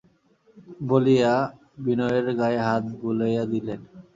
বলিয়া বিনয়ের গায়ে হাত বুলাইয়া দিলেন।